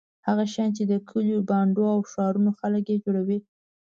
هغه شیان چې د کلیو بانډو او ښارونو خلک یې جوړوي.